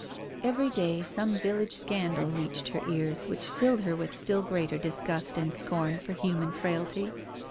Every day some village scandal reached her ears which filled her with still greater disgust and scorn for human frailty.